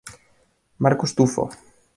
Marcus Tufo.